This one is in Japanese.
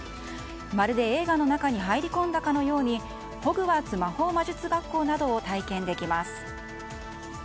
まるで映画の中に入り込んだかのようにホグワーツ魔法魔術学校などを体験できます。